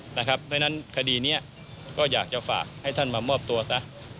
เพราะฉะนั้นคดีนี้ก็อยากจะฝากให้ท่านมามอบตัวซะ